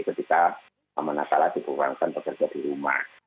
ketika menaklal dikurangkan bekerja di rumah